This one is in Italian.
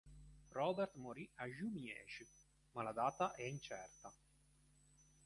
Robert morì a Jumièges, ma la data è incerta.